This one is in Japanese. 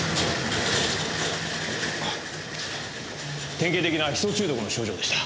典型的なヒ素中毒の症状でした。